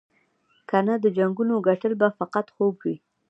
کنه د جنګونو ګټل به فقط خوب وي.